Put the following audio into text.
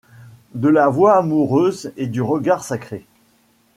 De la voix amoureuse et du regard sacré ;